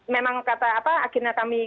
memang kata apa akhirnya kami